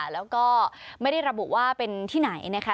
แล้วก็ไม่ได้ระบุว่าเป็นที่ไหนนะคะ